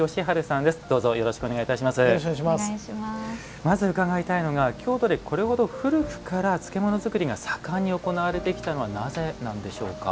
まず、伺いたいのが京都で、これほど古くから漬物作りが盛んに行われてきたのはなぜなんでしょうか？